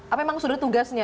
apa emang sudah tugasnya